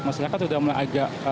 masyarakat sudah mulai agak